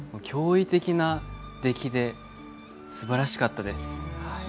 驚異的なできですばらしかったです。